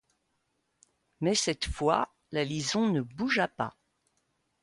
Mais, cette fois, la Lison ne bougea pas.